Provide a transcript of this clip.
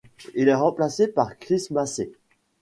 Il est remplacé par Chris Massey.